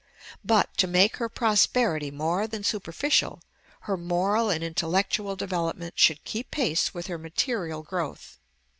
But, to make her prosperity more than superficial, her moral and intellectual development should keep pace with her material growth.